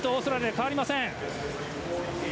変わりません。